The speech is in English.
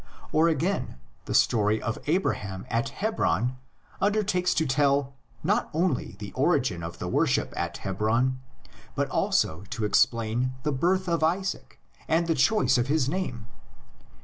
Or again, the story of Abraham at Hebron undertakes to tell not only the origin of the worship at Hebron, but also to explain the birth of Isaac and the choice of his name.